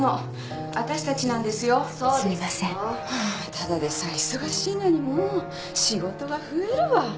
ただでさえ忙しいのにもう仕事が増えるわ。